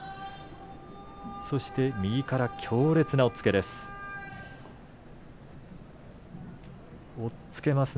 そして、右から強烈な押っつけです。